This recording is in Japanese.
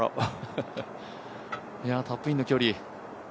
タップインの距離。